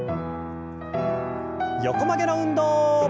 横曲げの運動。